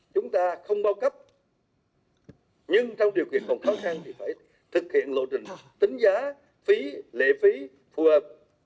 chúng ta không bao cấp nhưng trong điều kiện còn khó khăn thì phải thực hiện lộ trình tính giá phí lệ phí phù hợp